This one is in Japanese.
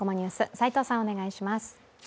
齋藤さん、お願いします。